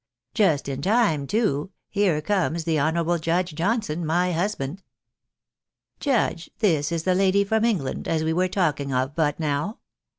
Just in time, too, here comes the honourable Judge Johnson, my husband. Judge, this is the lady from England, as we were talk ing of but noAV.